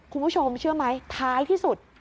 คุณผู้ชมเชื่อไหมท้ายที่สุด